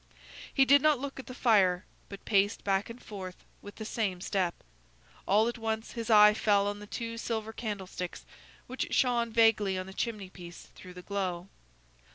He did not look at the fire, but paced back and forth with the same step. All at once his eye fell on the two silver candlesticks, which shone vaguely on the chimney piece, through the glow.